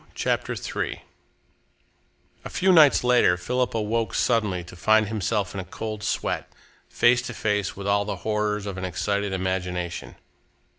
CHAPTER III A few nights later Philip awoke suddenly to find himself in a cold sweat, face to face with all the horrors of an excited imagination.